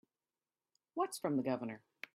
What's from the Governor?